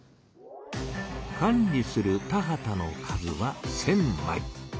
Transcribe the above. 管理する田畑の数は１，０００まい。